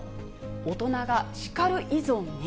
大人が叱る依存に？